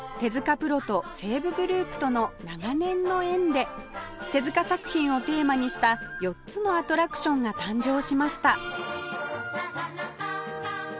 プロと西武グループとの長年の縁で手作品をテーマにした４つのアトラクションが誕生しました